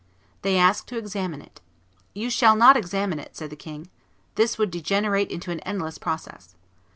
They asked to examine it. "You shall not examine it," said the king; "this would degenerate into an endless process.